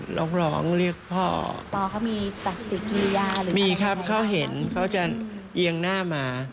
พ่อเขามีตัสติกิริยาหรืออะไรอย่างนั้นหรือเปล่าครับมีครับเขาเห็นเขาจะเอียงหน้ามา